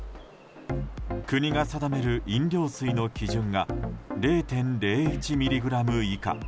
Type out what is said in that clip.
国が定める飲料水の基準が０．０１ｍｇ以下。